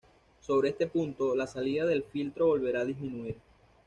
Sobre este punto, la salida del filtro volverá a disminuir.